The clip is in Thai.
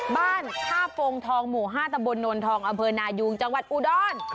บ้านท่าโฟงทองหมู่๕ตำบลนวลทองอำเภอนายุงจังหวัดอุดร